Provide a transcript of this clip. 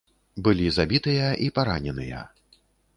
Былі забітыя і параненыя.